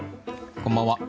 こんばんは。